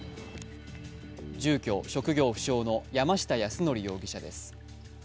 住居・職業不詳の山下泰範容疑者です。